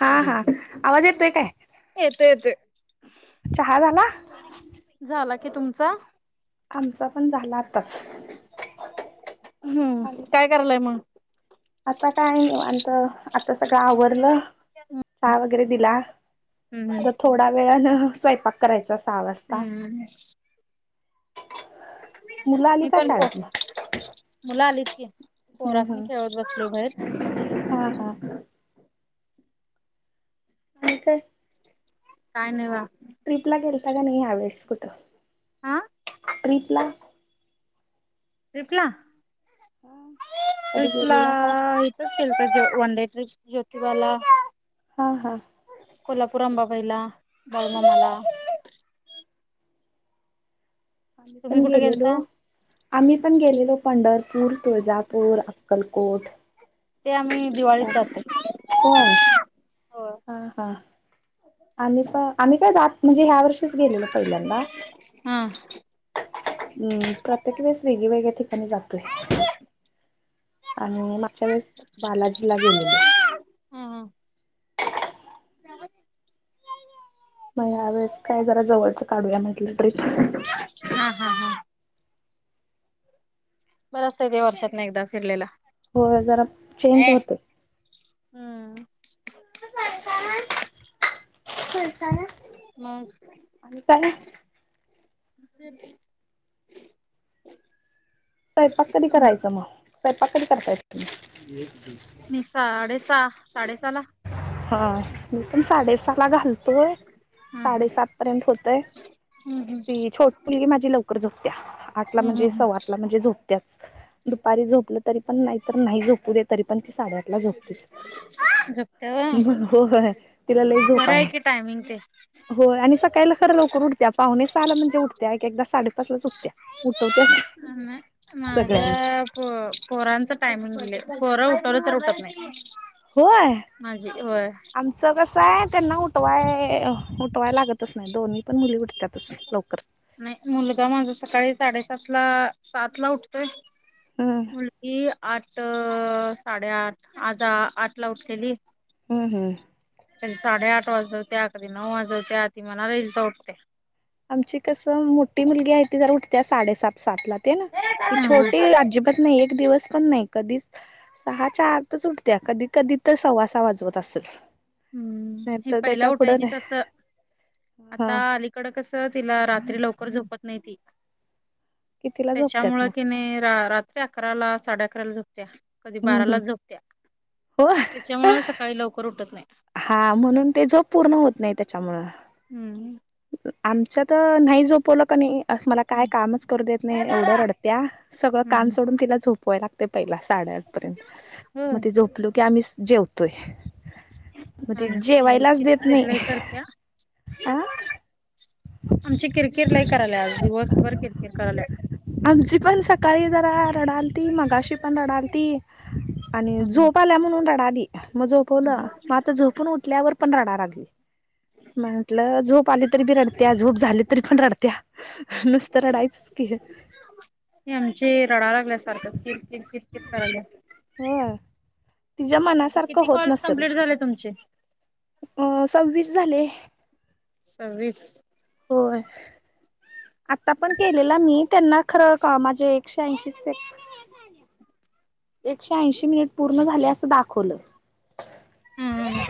हा हा आवाज येतोय काय? येतोय येतोय. चहा झाला? झाला कि, तुमचा? आमचा पण झाला आत्ताच. हम्म काय करायला मंग? आता काय निवांत. आता सगळं आवरलं, चहा वगैरे दिला, हम्म आता थोडा वेळान [unintelligible] [unintelligible] करायचा सहा वाजता. हम्म मुलं आली मी का पण शाळेतन [unintelligible] मुलं आली. [unintelligible] पोरास हम्म म खेळत बसलो बाहेर हम्म हा हा काय? काय नाय [unintelligible] ट्रिप ला गेलता का नाही ह्यवेळेस कु [unintelligible] आं ट्रीपला. ट्रीपला कधी ट्रीपला गेलेला काय इथेच [unintelligible] वन डे ट्रीप ज्योतिबाला हां हां कोल्हापूर आंबाबाईला, बाळूमामाला. आम्ही तुम्ही पण कुठे गेलेलो, गेलता? आम्ही पण गेलेलो पंढरपूर, तुळजापूर अक्कलकोट. ते आम्ही दिवाळी जातो. होय हा हा आम्ही का आम्ही काय जात म्हणजे ह्या वर्षीच गेलेलो पहिल्यांदा. हा. हम्म प्रत्येकने स्विगी वैगे त्यां जातोय. हा आणि मागच्या वेळेस बालाजीला गेलेलो. हम हा. ह... मग या वेळेस काय जरा जवळचं काढूया म्हटलं टप हम् हम् हम्. बरंचत येते वर्षात ना एकदा फिरलेला. होय जरा चेंज होते. हम्म कोलसा ना मग आणि का. जे [unintelligible] स्वयंपाक कधी करायचं मग. पकड करतायेत. सहा साडे सहा ला हा पण साडे सात ला घालतोय हम्म साडेसात पर्यंत होतय. हम्म हम्म हम्म. ती छोट मुलगी माझी लवकर झोपत्या आठला हम्म हम्म म्हणजे सव्वा हम्म आठ ला म्हणजे झोपते. दुपारी झोपलं तरी पण नाही, नाही झोपू दे तरी पण ती साड्डे आठ ला झोपत्या झोपते व्हय म होय! तिला लई झोप बरं आहे की टायमिंग ते होय आणि स काहीला खरं लवकर. पाहुणे सहाला म्हणजे उठत्या एक एकदा साडेपाच लाच उठत्या. उठवत्याच सगळ्यांना माझ्या पो पोरांच टायमिंग झालयं. पोर उठवलं तरी उठत नाही. होय माझी होय आमचं कस आहे त्यांना उठवाय उठवाय लागत तस नाही दोन्ही पण मुली उठत्या त. नाही मुलगा माझा सकाळी साडे सात त्याात ला सात ला उठतोय. हम्म मुलगी? आठ साडेआठ आज आठ ला उठलेली. हम्म हम्म. कधरी साडे आठ वाजवत अकरी नऊ वाजवत आ ती मनाला येइल तव्हा उठत्या. आमची कसं मोठी मुलगी आहे ती जरा उठत्या साडेसात सातला ते ना ती छोटी अजिबात नाही एक दिवस... पण नाही कधीच सहा च्या आतच उठत्या कधी कधी तर सव्वासा वाजवत असेल. हम्म नाही हे तर पहिला त्याच्या पुढं उठायची नाही. तस आता हा अलीकड कस तिला रात्री लवकर झोपत नाही ती- कितीला झोपत्यात त्याच्यामुळे मग कि नाही रा अकरा ला साडे अकरा ला झोपत्या? कधी हम्म हम्म. बाराला झोपत्या हो त्याच्यामुळ सकाळी लवकर उठत नाही. हा म्हणून ते झोप पूर्ण होत नाही त्याच्यामुळ. हम्म. आमच तर नाही झोपवलं कनी. मला काय हम्म कामच करू देत ए नाही दादा एवढं रडत्या सगळं हम्म काम हम्म. सोडून तिला झोप [unintelligible] साडे आठ पर्यंत होय मगं झोपलो कनी आम्ही जेवतोय मग ते आमची जेवायलाच देत नाही कीरकीर लय करत्या ह आमची किरकिर लाही करायला आज दिवसभर किरकिर करायला. आमजी पण सकाळी जरा रडाल ती मगाशि पण रडाली ती आणि झोप आल्या म्हणून रडाली मग झोपवलं मग आता झोपून उठल्यावर पण रडा आली हे म्हंटलं झोप आली तरी बी रडत्या झोप झाली तरी पण रडत्या नुसतराडायचच‌की आमचे रडा लागल्या सारखं किर किर किर किर करायला तीच्या मनासारक होत नसल तुमचे असंवि झाले सव्वीस होय आता पण केलेला मी त्यांना खरं माझे एकशे ऐंशी एकशे ऐशी मिनिट पूर्ण झाले असं दाखवलं हम्म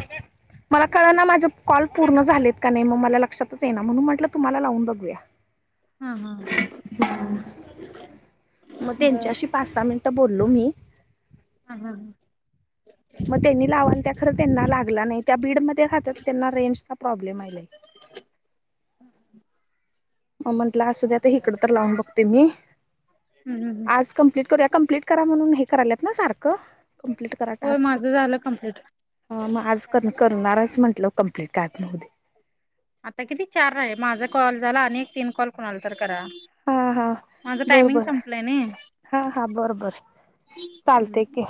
मला कळ ना माझ कॉल पूर्ण झालेत का नाही मग मला लक्षातच ये ना म्हणून म्हटलं तुम्हाला लावून बघूया हम्म हा हा मग बर त्यांच्याशी पाचहा सहा मिनटं बोललो मी हम हम ह मग त्यांनी लावाला त्या खर त्यांना लागला नाही त्या बीड म राहात त्यांना रेंजचा प्रॉब्लेम आलाय मग म्हटलं अस्या आता हकड तर लावून बघते मी हम्म हम्म आज कमप्लीट करू कम्प्लीट करा म्हून हे कयलेत ना सारं क्मपलीट करा होय टास्क माझं झालं कंप्लीट. मग आज करणारच म्हटल. आता किती चार आहे माझा कॉल झाला अ तीन कॉल कोणा आला तर करा. हा हा माझं टायमिंग बरोबर संपलंय नाही. हा हा बरोबर चा लत के हम्म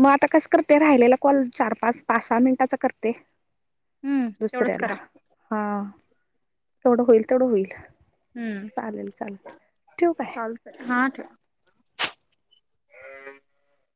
मग आता कसं करते राहिलेला कॉल चार पाच पाच सहा मिनटाचा करते तेवढंच करा दुसऱ्याला हा तेवढं होईल तेवढं होईल हम्म चालेल चालेल ठेवकय चालतंय हम्